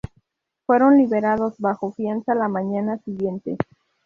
Fueron liberados bajo fianza la mañana siguiente.